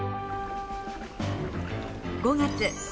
５月。